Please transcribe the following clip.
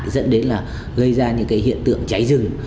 dẫn đến là gây ra những cái hiện tượng cháy rừng